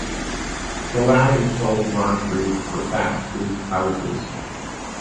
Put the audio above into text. The Lattings sold marsh reeds for thatched-roof houses.